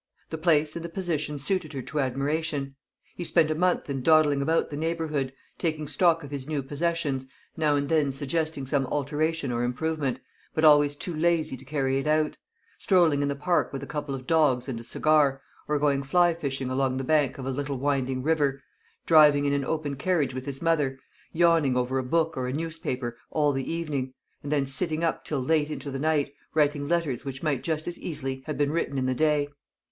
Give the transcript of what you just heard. The place and the position suited her to admiration. He spent a month in dawdling about the neighbourhood, taking stock of his new possessions, now and then suggesting some alteration or improvement, but always too lazy to carry it out; strolling in the park with a couple of dogs and a cigar, or going fly fishing along the bank of a little winding river; driving in an open carriage with his mother; yawning over a book or a newspaper all the evening, and then sitting up till late into the night, writing letters which might just as easily have been written in the day.